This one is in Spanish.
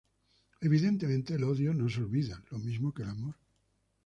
Evidentemente, el odio no se olvida, lo mismo que el amor...